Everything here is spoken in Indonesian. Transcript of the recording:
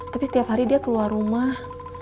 tapi setiap hari dia keluar rumah